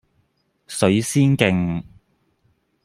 水仙徑